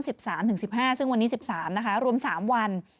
ซึ่งวันนี้๑๓นะคะรวม๓วัน